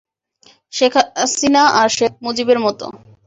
শেখ হাসিনা আর শেখ মুজিবের মতো?